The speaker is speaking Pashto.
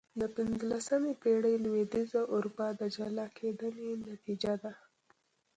د پنځلسمې پېړۍ لوېدیځه اروپا د جلا کېدنې نتیجه ده.